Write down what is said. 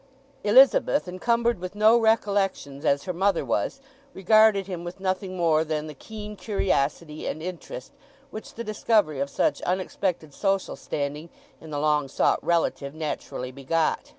Elizabeth, encumbered with no recollections as her mother was, regarded him with nothing more than the keen curiosity and interest which the discovery of such unexpected social standing in the long sought relative naturally begot.